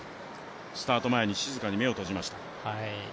スタート前に静かに目を閉じました。